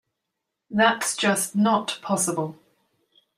That's just not possible.